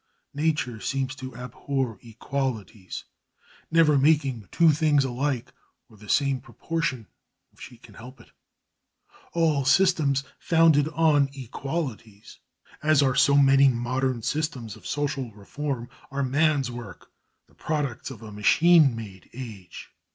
Nature seems to abhor equalities, never making two things alike or the same proportion if she can help it. All systems founded on equalities, as are so many modern systems of social reform, are man's work, the products of a machine made age.